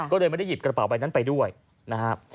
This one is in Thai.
ก็เลยไม่ได้หยิบกระเป๋าใบนั้นไปด้วยนะครับ